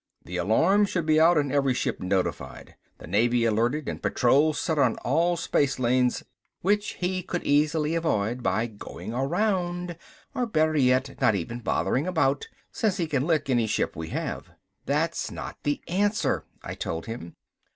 The alarm should be out and every ship notified. The Navy alerted and patrols set on all spacelanes " "Which he could easily avoid by going around, or better yet not even bother about, since he can lick any ship we have. That's not the answer," I told him.